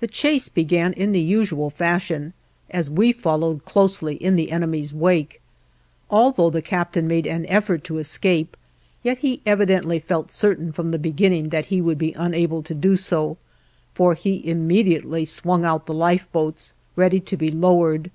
The chase began in the usual fashion as we followed closely in the enemy's wake. Although the captain made an effort to escape, yet he evidently felt certain from the beginning that he would be unable to do so, for he immediately swung out the lifeboats, ready to be lowered.